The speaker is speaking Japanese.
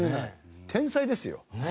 天才ですよ。